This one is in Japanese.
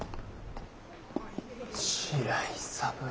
白井三郎。